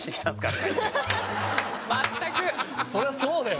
そりゃそうだよ！